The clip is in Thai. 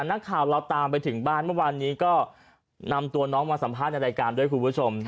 นักข่าวเราตามไปถึงบ้านเมื่อวานนี้ก็นำตัวน้องมาสัมภาษณ์ในรายการด้วยคุณผู้ชม